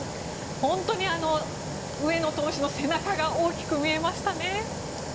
本当に上野投手の背中が大きく見えましたね。